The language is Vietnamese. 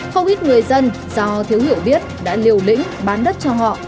không ít người dân do thiếu hiểu biết đã liều lĩnh bán đất cho họ